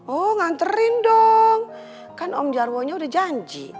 oh nganterin dong kan om jarwo nya udah janji